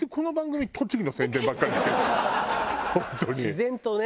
自然とね。